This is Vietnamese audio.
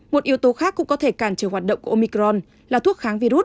một yếu tố khác cũng có thể cản trở hoạt động của omicron là thuốc kháng virus